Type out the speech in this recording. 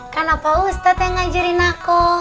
kan apa ustadz yang ngajarin aku